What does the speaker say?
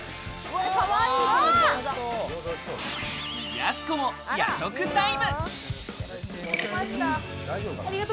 やす子も夜食タイム！